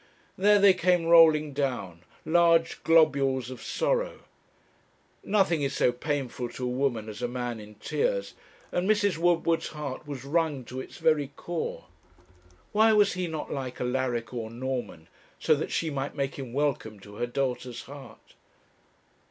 There they came rolling down, large globules of sorrow. Nothing is so painful to a woman as a man in tears, and Mrs. Woodward's heart was wrung to its very core. Why was he not like Alaric or Norman, so that she might make him welcome to her daughter's heart?